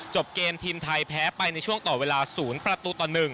เกมทีมไทยแพ้ไปในช่วงต่อเวลา๐ประตูต่อ๑